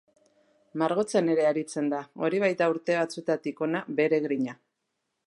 Margotzen ere aritzen da, hori baita urte batzuetatik hona bere grina.